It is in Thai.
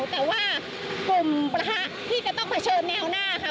แต่ว่ากลุ่มประทะที่จะต้องเผชิญแนวหน้าค่ะ